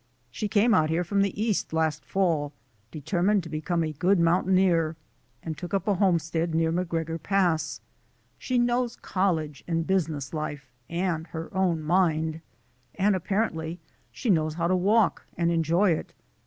"She came out here from the East last fall determined to become a good mountaineer, and took up a homestead near MacGregor Pass. She 259 2 6o THE ADVENTURES OF A NATURE GUIDE knows college and business life and her own mind, and apparently she knows how to walk and enjoy it.